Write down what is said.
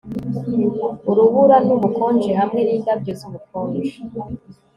Urubura nubukonje hamwe nindabyo zubukonje